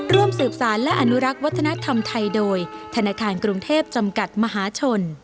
ร่วมสืบสารและอนุรักษ์วัฒนธรรมไทยโดยธนาคารกรุงเทพจำกัดมหาชน